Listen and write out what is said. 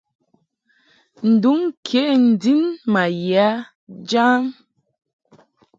Nduŋ ke n-din ma ye a jam.